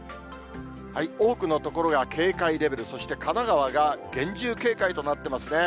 多くの所が警戒レベル、そして神奈川が厳重警戒となっていますね。